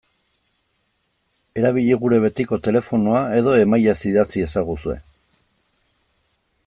Erabili gure betiko telefonoa edo emailez idatz iezaguzue.